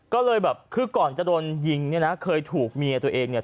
ก็เลยแบบคือก่อนจะโดนยิงเนี่ยนะเคยถูกเมียตัวเองเนี่ย